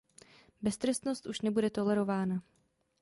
Beztrestnost už nebude tolerována.